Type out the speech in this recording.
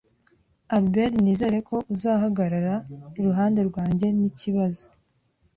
Albert, nizere ko uzahagarara iruhande rwanjye nikibazo